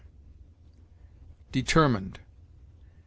DETERMINED.